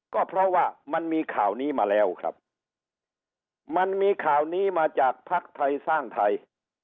ก็เพราะว่ามันมีข่าวนี้มาแล้วครับมันมีข่าวนี้มาจากภักดิ์ไทยสร้างไทย